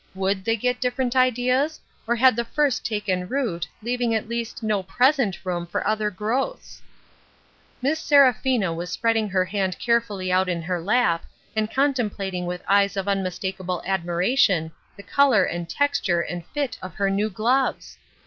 Would they get different ideas, or had the first taken root, leaving at least no present room for other growths ? Miss Seraphina was spreading her hand care fully out on her lap, and contemplating with eyes of unmistakable admiration the color and texture and fit of her new gloves